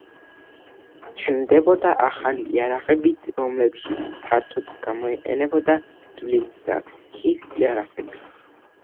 ჩნდებოდა ახალი იარაღებიც, რომლებშიც ფართოდ გამოიყენებოდა ძვლის და რქის იარაღები.